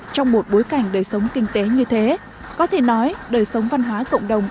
trong một bối cảnh đời sống kinh tế như thế có thể nói đời sống văn hóa cộng đồng